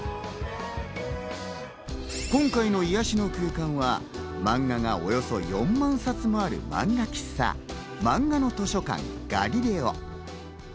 今回の癒やしの空間はマンガがおよそ４万冊もあるマンガ喫茶、まんがの図書館ガリレオ。